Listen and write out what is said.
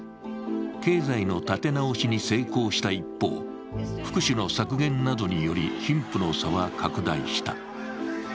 経済の立て直しに成功した一方、福祉の削減などにより貧富の差は拡大した。